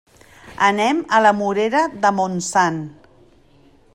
Anem a la Morera de Montsant.